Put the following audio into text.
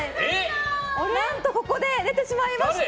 何と、ここで出てしまいました。